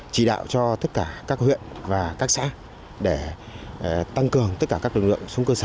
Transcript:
chỉ đạo cho tất cả các huyện và các xã để tăng cường tất cả các lực lượng xuống cơ sở